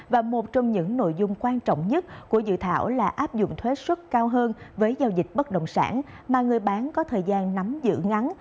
và một trong những nội dung quan trọng nhất của dự thảo là áp dụng thuế xuất cao hơn với giao dịch bất động sản mà người bán có thời gian nắm giữ ngắn